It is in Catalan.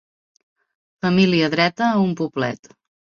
Família dreta a un poblet